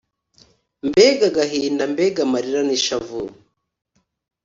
mbega agahinda mbega amarira nishavu